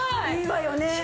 いいわよね。